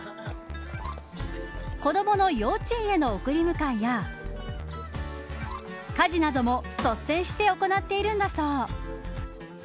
子どもの幼稚園への送り迎えや家事なども率先して行っているんだそう。